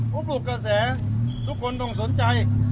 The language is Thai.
ผมหลุดกระแสทุกคนต้องสนใจ